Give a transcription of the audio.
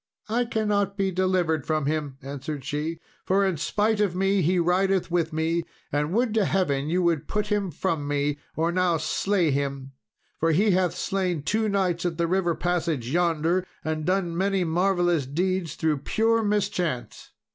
"I cannot be delivered from him," answered she: "for in spite of me he rideth with me; and would to Heaven you would put him from me, or now slay him, for he hath slain two knights at the river passage yonder, and done many marvellous deeds through pure mischance."